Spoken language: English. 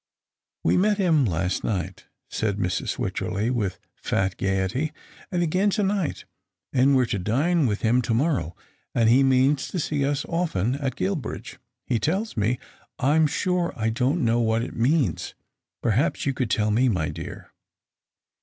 " We met him last night," said Mrs. Wycherley, with fat gaiety, *' and again to night, and we're to dine with him to morrow ; and he means to see us often at Guilbridge, he tells me. I'm sure I don't know what it means. Perhaps you could tell me, my dear."